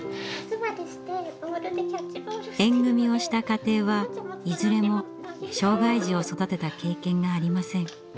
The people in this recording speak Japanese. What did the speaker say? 縁組をした家庭はいずれも障害児を育てた経験がありません。